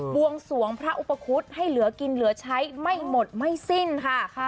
วงสวงพระอุปคุฎให้เหลือกินเหลือใช้ไม่หมดไม่สิ้นค่ะ